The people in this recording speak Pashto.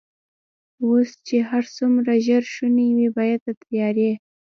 اوس چې هر څومره ژر شونې وي، باید د تیارې.